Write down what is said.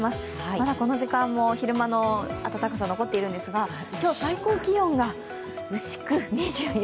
まだこの時間も昼間の暖かさ、残っているんですが、今日、最高気温が牛久。